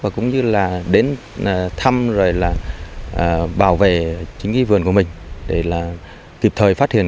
và cũng như là đến thăm rồi là bảo vệ chính cái vườn của mình để là kịp thời phát hiện